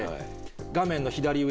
画面の左上